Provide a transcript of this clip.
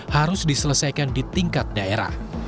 harus diselesaikan di tingkat daerah